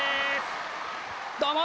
どうも！